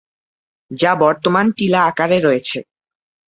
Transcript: যা বর্তমান টিলা আকারে রয়েছে।